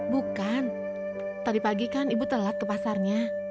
bukan tadi pagi kan ibu telat ke pasarnya